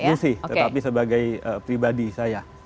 tidak institusi tetapi sebagai pribadi saya